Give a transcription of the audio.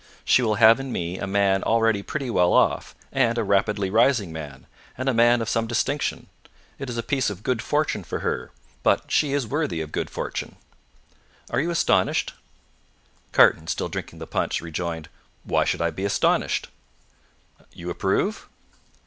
She will have in me a man already pretty well off, and a rapidly rising man, and a man of some distinction: it is a piece of good fortune for her, but she is worthy of good fortune. Are you astonished?" Carton, still drinking the punch, rejoined, "Why should I be astonished?" "You approve?"